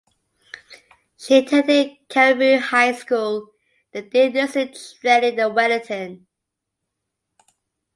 She attended Karamu High School, then did nursing training in Wellington.